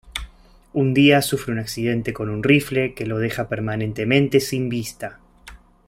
Un día, sufre un accidente con un rifle, que lo deja permanentemente sin vista.